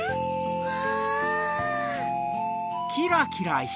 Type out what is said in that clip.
うわ！